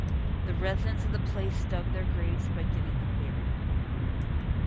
The residents of the place dug their graves giving them burial.